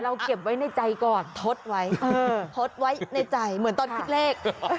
เก็บไว้ในใจก่อนทดไว้ทดไว้ในใจเหมือนตอนคิดเลข